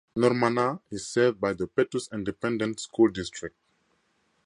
Normanna is served by the Pettus Independent School District.